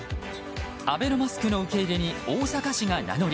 アベノマスクの受け入れに大阪市が名乗り。